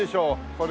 これ。